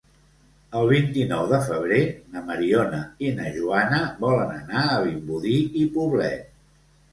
El vint-i-nou de febrer na Mariona i na Joana volen anar a Vimbodí i Poblet.